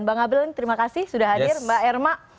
mbak ngabelin terima kasih sudah hadir mbak erma